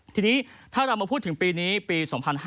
ทีนี้ถ้าเรามาพูดถึงปีนี้ปี๒๕๕๙